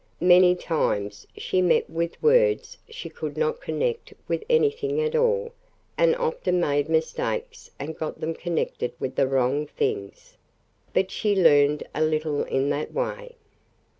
Many times she met with words she could not connect with anything at all and often made mistakes and got them connected with the wrong things. But she learned a little in that way.